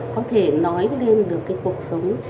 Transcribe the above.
có thể nói lên được cái cuộc sống